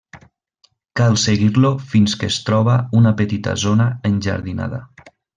Cal seguir-lo fins que es troba una petita zona enjardinada.